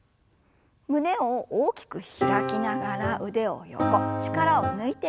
胸を大きく開きながら腕を横力を抜いて振りほぐします。